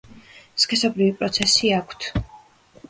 სქესობრივი პროცესი აქვთ.